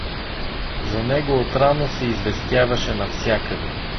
За него отрано се известяваше навсякъде.